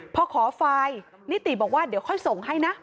พอขอไฟล์นิติบอกว่าเดี๋ยวค่อยส่งให้นะ